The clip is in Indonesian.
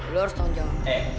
lu harus tanggung